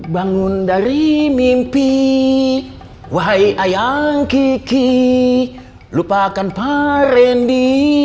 bangun dari mimpi wahai ayang kiki lupakan parendi